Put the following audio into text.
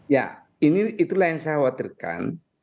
ya itulah yang saya khawatirkan